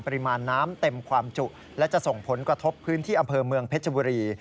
ปริมาณน้ำเต็มความจุและจะส่งผลกระทบพื้นที่อำเภอเมืองเพชรบุรี